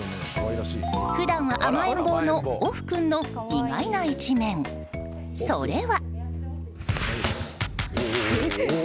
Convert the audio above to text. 普段は甘えん坊のオフ君の意外な一面、それは。